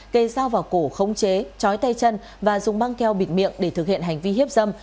kê dao vào cổ khống chế chói tay chân và dùng băng keo bịt miệng để thực hiện hành vi hiếp dâm